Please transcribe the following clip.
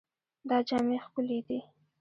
دا جامې ښکلې دي.